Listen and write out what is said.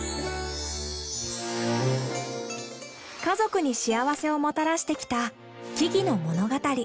家族に幸せをもたらしてきた木々の物語。